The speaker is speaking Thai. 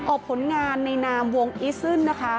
ออกผลงานในนามวงอีซึนนะคะ